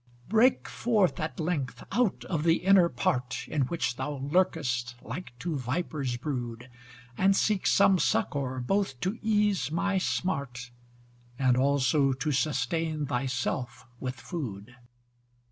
Break forth at length out of the inner part, In which thou lurkest like to viper's brood: And seek some succour both to ease my smart And also to sustain thy self with food.